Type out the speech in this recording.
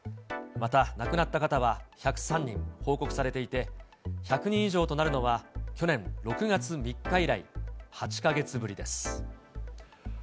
また、亡くなった方は１０３人報告されていて、１００人以上となるのは、去年６月３日以来、８か月ぶりです。